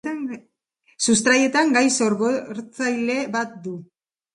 Sustraietan gai sorgortzaile bat du.